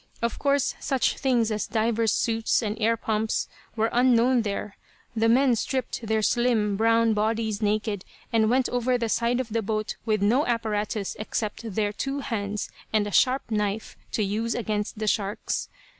Of course such things as divers' suits, and air pumps, were unknown there. The men stripped their slim, brown bodies naked, and went over the side of the boat with no apparatus except their two hands and a sharp knife to use against the sharks.